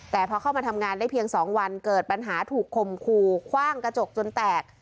แต่พอเข้ามาทำงานได้เพียง๒วันเกิดปัญหาถูกคมคู่คว่างกระจกจนแตก